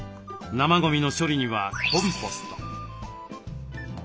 生ゴミの処理にはコンポスト。